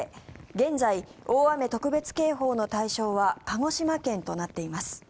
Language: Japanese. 現在、大雨特別警報の対象は鹿児島県となっています。